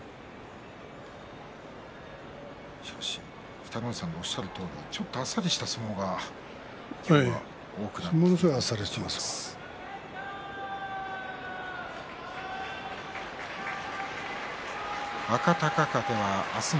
北の富士さんのおっしゃるとおりちょっとあっさりした相撲が今日は多いですね。